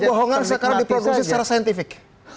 kebohongan sekarang diproduksi secara saintifik